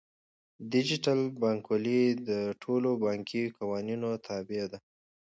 ډیجیټل بانکوالي د ټولو بانکي قوانینو تابع ده.